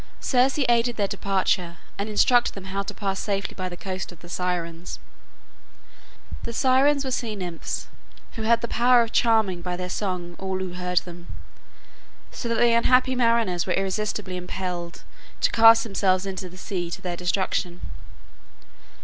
Circe aided their departure, and instructed them how to pass safely by the coast of the Sirens. The Sirens were sea nymphs who had the power of charming by their song all who heard them, so that the unhappy mariners were irresistibly impelled to cast themselves into the sea to their destruction.